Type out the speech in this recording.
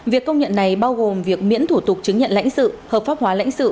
việc công nhận này bao gồm việc miễn thủ tục chứng nhận lãnh sự hợp pháp hóa lãnh sự